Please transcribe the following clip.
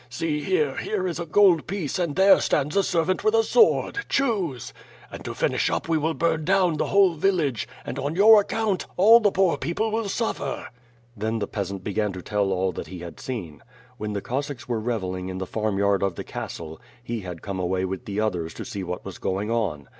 See here, here is a gold piece and there stands a servant with a sword — choose! And, to finish up, we will bum down the whole village, and on your account, all the poor people will suffer." Then the peasant began to tell all that he had seen. When the Cossacks were revelling in the farmyard of the castle, he had come away with the others to see what was going on.